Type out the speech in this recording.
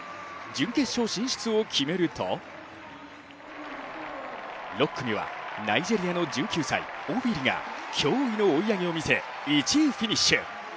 準決勝進出を決めると６組はナイジェリアの１９歳、オフィリが驚異の追い上げを見せ１位フィニッシュ。